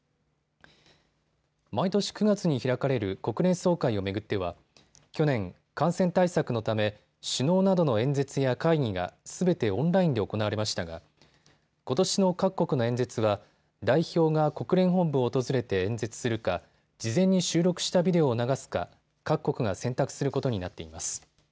毎年９月に開かれる国連総会を巡っては去年、感染対策のため首脳などの演説や会議がすべてオンラインで行われましたがことしの各国の演説は代表が国連本部を訪れて演説するか事前に収録したビデオを流すか各国が選択することになっています。